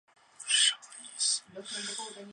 反扭藓为丛藓科反扭藓属下的一个种。